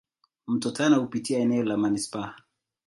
Mto Tana hupitia eneo la manispaa.